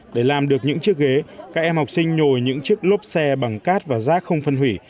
để làm được những chiếc ghế các em học sinh nhồi những chiếc lốp xe bằng cát và rác không phân hủy